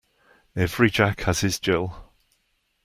Every Jack has his Jill.